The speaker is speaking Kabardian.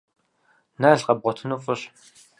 Нал къэбгъуэтыну фӏыщ.